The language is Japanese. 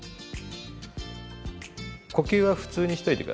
呼吸は普通にしといて下さいね